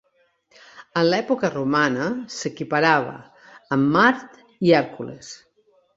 En l'època romana, s'equiparava amb Mart i Hèrcules.